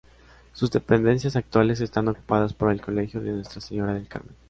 Sus dependencias actuales están ocupadas por el colegio de Nuestra Señora del Carmen.